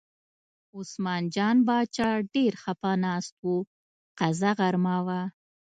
عثمان جان باچا ډېر خپه ناست و، قضا غرمه وه.